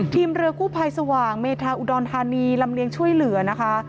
เรือกู้ภัยสว่างเมธาอุดรธานีลำเลียงช่วยเหลือนะคะ